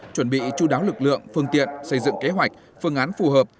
chuẩn bị chú đáo lực lượng phương tiện xây dựng kế hoạch phương án phù hợp